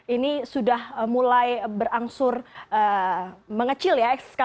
ini sudah mulai berangsur mengecil ya